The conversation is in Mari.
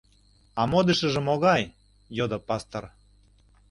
— А модышыжо могай? — йодо пастор.